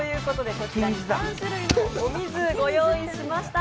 こちら、３種類のお水をご用意しました。